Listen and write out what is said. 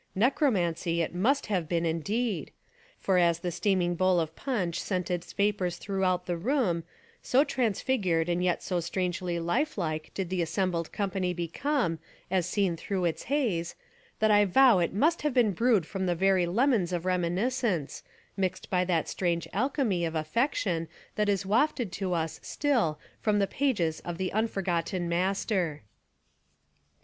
Necromancy it must have been in 198 Fiction and Reality deed. For as the steaming bowl of punch sent Its vapours throughout the room, so transfig ured and yet so strangely Hfe like did the as sembled company become as seen through its haze, that I vow it must have been brewed from the very lemons of reminiscence, mixed by that strange alchemy of affection that is wafted to us still from the pages of The Un forgotten Master.